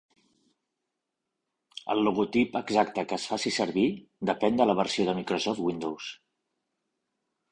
El logotip exacte que es faci servir depèn de la versió de Microsoft Windows.